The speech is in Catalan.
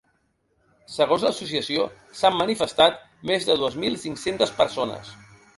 Segons l’associació, s’han manifestat més de dues mil cinc-centes persones.